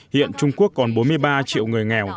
hiện trung quốc còn bốn mươi ba triệu người nghèo